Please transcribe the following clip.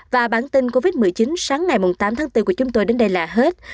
và bản tin covid một mươi chín sáng ngày tám tháng bốn của chúng tôi đến đây là hết